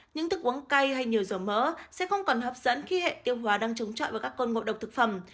những thức uống cay hay nhiều dầu mỡ sẽ không còn hấp dẫn khi hệ tiêu hóa đang trống trọi vào các cơn ngộ độc thực phẩm